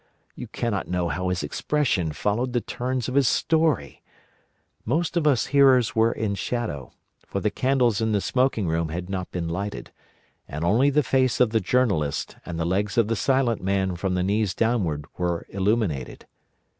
You cannot know how his expression followed the turns of his story! Most of us hearers were in shadow, for the candles in the smoking room had not been lighted, and only the face of the Journalist and the legs of the Silent Man from the knees downward were illuminated.